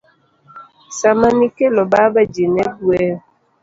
Sama nikelo baba ji ne gweyo.